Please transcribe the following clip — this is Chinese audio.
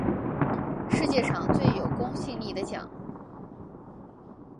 世界上最有公信力的奖